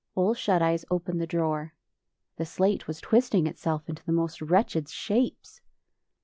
Ole Shut Eyes opened the drawer. The slate was twisting itself into the most wretched shapes.